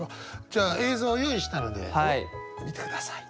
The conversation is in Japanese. じゃあ映像用意したので見て下さい。